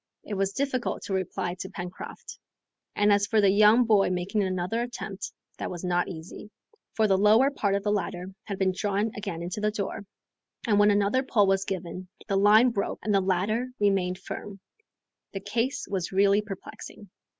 It was difficult to reply to Pencroft, and as for the young boy making another attempt, that was not easy; for the lower part of the ladder had been drawn again into the door, and when another pull was given, the line broke and the ladder remained firm. The case was really perplexing.